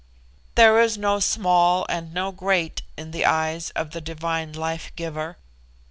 There is no small and no great in the eyes of the divine Life Giver.